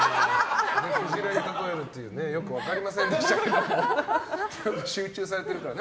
クジラに例えるってよく分かりませんでしたけど集中されてるからね。